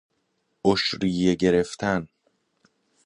عشریه گرفتن